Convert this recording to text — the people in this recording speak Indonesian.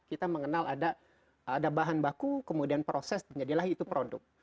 kita mengenal ada bahan baku kemudian proses jadilah itu produk